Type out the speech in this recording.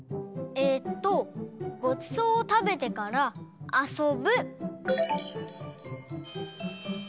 えっとごちそうをたべてからあそぶ。